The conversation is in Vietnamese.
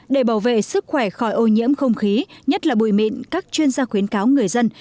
để bảo vệ sức khỏe khỏi ô nhiễm không khí nhất là bụi mịn các chuyên gia khuyến cáo người dân